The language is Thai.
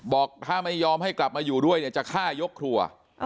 บอกถ้าไม่ยอมให้กลับมาอยู่ด้วยเนี่ยจะฆ่ายกครัว